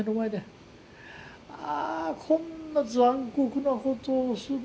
ああこんな残酷なことをする。